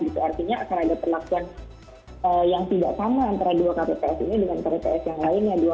artinya akan ada perlakuan yang tidak sama antara dua kpps ini dengan kpps yang lainnya